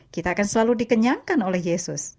kita akan selalu dikenyangkan oleh yesus